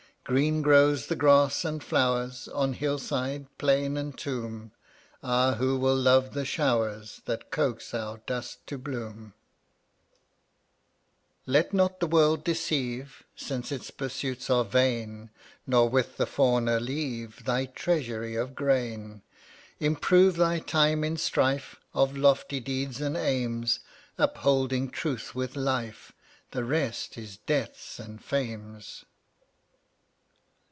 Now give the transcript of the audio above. Green grow the grass and flowers On hillside, plain and tomb; Ah, who will love the showers That coax our dust to bloom ? g 0un<j (rtttlAt* ^ et not tne wor ^ deceive, T*£ Since its pursuits are vain, \J\t/ Nor with the fawner leave Thy treasury of grain. Improve thy time in strife Of lofty deeds and aims, Upholding Truth with life — The rest is Death's and Fame's.